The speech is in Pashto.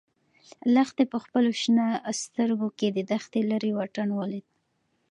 لښتې په خپلو شنه سترګو کې د دښتې لیرې واټن ولید.